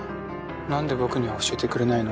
なんで僕には教えてくれないの？